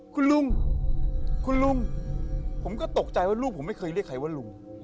คุณลุงคุณลุงผมก็ตกใจว่าลูกผมไม่เคยเรียกใครว่าลุง